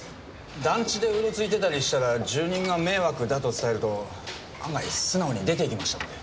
団地でうろついてたりしたら住人が迷惑だと伝えると案外素直に出ていきましたので。